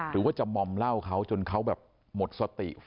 หรือว่าจะมอมเหล้าเขาจนเขาแบบหมดสติ